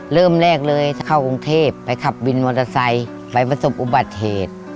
เริ่มแรกเลยจะเข้ากรุงเทพไปขับวินมอเตอร์ไซค์ไปประสบอุบัติเหตุ